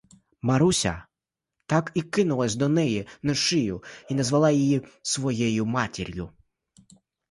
Маруся так і кинулась до неї на шию і назвала її своєю матір'ю.